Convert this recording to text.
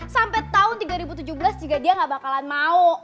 sampai tahun dua ribu tujuh belas juga dia gak bakalan mau